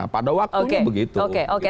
pada waktunya begitu oke oke